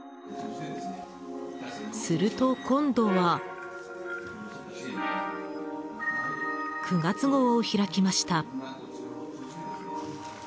すると、今度は９月号を開きました。